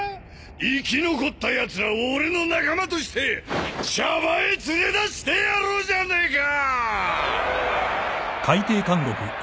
生き残ったやつらを俺の仲間としてシャバへ連れ出してやろうじゃねえか！